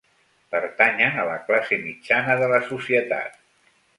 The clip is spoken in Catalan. Pertanyen a la classe mitjana de la societat.